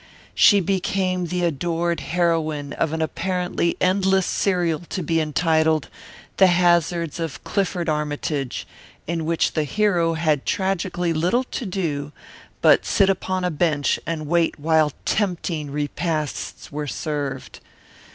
She became the adored heroine of an apparently endless serial to be entitled The Hazards of Clifford Armytage, in which the hero had tragically little to do but sit upon a bench and wait while tempting repasts were served.